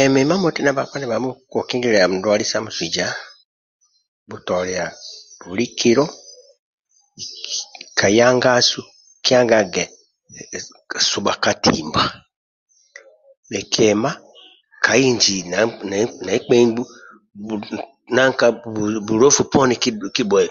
Emi imamoti na bhakpa ndibhamo ka ku kingililia ndwali sa musuija kibhutolia buli kilo kaya angasu kiangage subha ka timba bhikima ka inji nekpemgbu bu bu nanka bulofu poni kibhube